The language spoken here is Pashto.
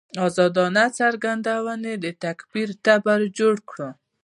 ازادانه څرګندونې د تکفیر تبر جوړ کړ.